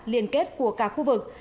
liên kết của các khu vực